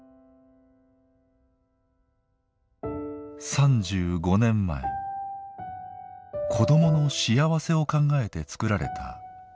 ３５年前子どもの幸せを考えて作られた特別養子縁組制度。